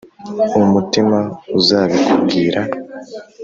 umutima uzabikubwira